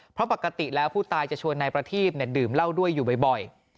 เพราะปกติแล้วผู้ตายจะชวนนายประทีพดื่มเหล้าด้วยอยู่บ่อย